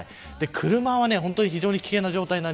車は非常に危険な状態です。